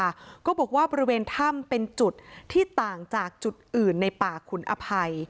ก็บอกว่าบริเวณถ้ำเป็นจุดที่ต่างจากจุดอื่นในป่าขุนอภัย